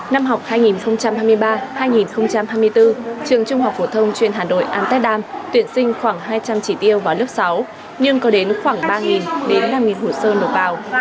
năm học hai nghìn hai mươi ba hai nghìn hai mươi bốn trường trung học phổ thông chuyên hà nội amsterdam tuyển sinh khoảng hai trăm linh chỉ tiêu vào lớp sáu nhưng có đến khoảng ba đến năm hồ sơ nộp vào